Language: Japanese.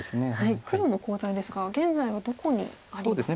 黒のコウ材ですが現在はどこにありますか。